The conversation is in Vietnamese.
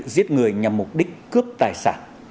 giết người nhằm mục đích cướp tài sản